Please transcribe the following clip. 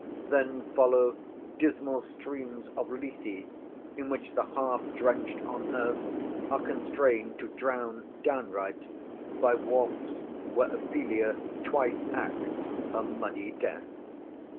Then follow dismal streams of Lethe, in which the half drenched on earth are constrained to drown downright, by wharfs where Ophelia twice acts her muddy death.